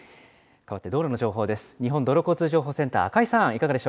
変わって道路の情報です。